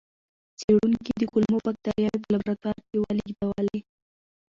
څېړونکي د کولمو بکتریاوې په لابراتوار کې ولېږدولې.